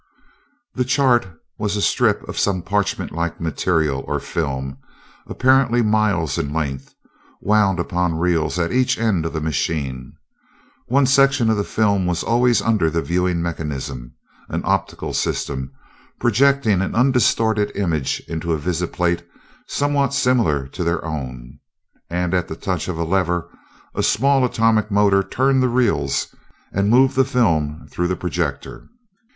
The "chart" was a strip of some parchment like material, or film, apparently miles in length, wound upon reels at each end of the machine. One section of the film was always under the viewing mechanism an optical system projecting an undistorted image into a visiplate plate somewhat similar to their own and at the touch of a lever, a small atomic motor turned the reels and moved the film through the projector.